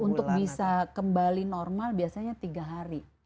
untuk bisa kembali normal biasanya tiga hari